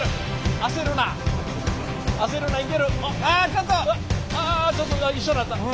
あっあちょっと一緒になった。